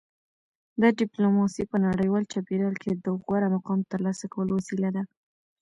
دا ډیپلوماسي په نړیوال چاپیریال کې د غوره مقام ترلاسه کولو وسیله ده